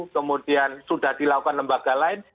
kemudian sudah dilakukan lembaga lain